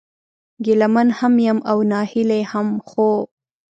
ګيله من هم يم او ناهيلی هم ، خو